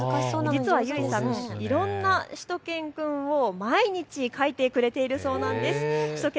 実はゆいさん、いろんなしゅと犬くんを毎日描いてくれているそうなんです。